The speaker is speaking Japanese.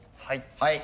はい。